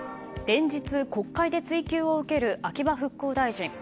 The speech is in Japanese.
連日国会で追及を受ける秋葉復興大臣。